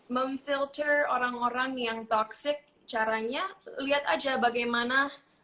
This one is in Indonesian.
memfilter orang orang yang toxic caranya lihat aja bagaimana